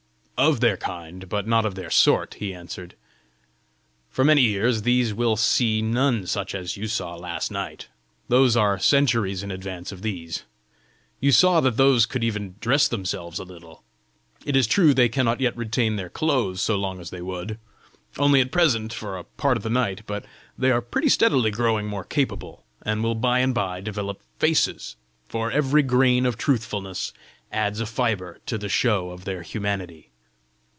"Of their kind, but not of their sort," he answered. "For many years these will see none such as you saw last night. Those are centuries in advance of these. You saw that those could even dress themselves a little! It is true they cannot yet retain their clothes so long as they would only, at present, for a part of the night; but they are pretty steadily growing more capable, and will by and by develop faces; for every grain of truthfulness adds a fibre to the show of their humanity.